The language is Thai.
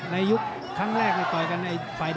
ในยุคครั้งแรกต่อยกันไอ้ฝ่ายแดงนี่เป็นฝ่ายชนะ